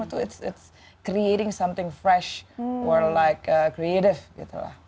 itu membuat sesuatu yang fresh atau kreatif gitu lah